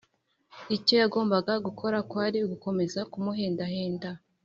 icyo yagombaga gukora kwari ugukomeza kumuhenda henda